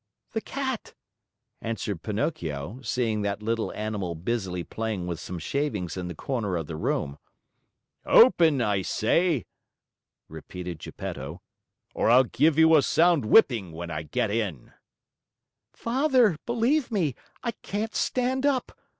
"The cat," answered Pinocchio, seeing that little animal busily playing with some shavings in the corner of the room. "Open! I say," repeated Geppetto, "or I'll give you a sound whipping when I get in." "Father, believe me, I can't stand up.